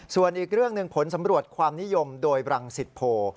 ส่วนอีกเรื่องหนึ่งผลสำรวจความนิยมโดยบรังสิตโพ